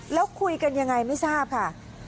แล้วคุยกันยังไงไม่ทราบค่ะ